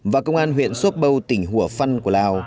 và công an huyện sopbo tỉnh hùa phân của lào